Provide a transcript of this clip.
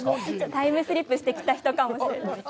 タイムスリップしてきた人かもしれないですよ。